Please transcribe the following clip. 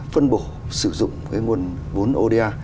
phân bổ sử dụng nguồn vốn ô đa